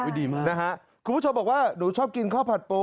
คุณผู้ชมบอกว่าหนูชอบกินข้าวผัดโปร